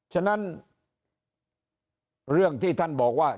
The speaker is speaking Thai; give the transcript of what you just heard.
ฉะนั้นเรื่องที่ท่านบอกว่า